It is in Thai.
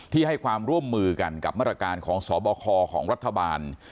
ให้ความร่วมมือกันกับมาตรการของสบคของรัฐบาล